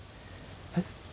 えっ？